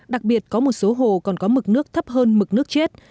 đặc biệt có một số hồ còn có mực nước thấp hơn mực nước chết